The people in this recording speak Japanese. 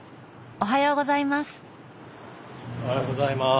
おはようございます。